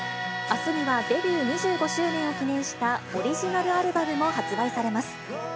あすにはデビュー２５周年を記念したオリジナルアルバムも発売されます。